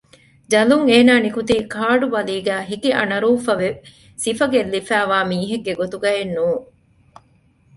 ޖަލުން އޭނާ ނިކުތީ ކާޑު ބަލީގައި ހިކި އަނަރޫފަވެ ސިފަ ގެއްލިފައިވާ މީހެއްގެ ގޮތުގައެއް ނޫން